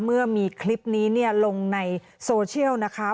เมื่อมีคลิปนี้ลงในโซเชียลนะคะ